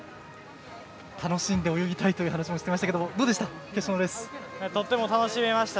楽しんで泳ぎたいという話もしてましたけどどうでした？